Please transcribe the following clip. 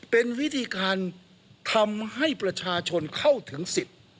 เป็นวิธีการทำให้ประชาชนเข้าถึงสิทธิ์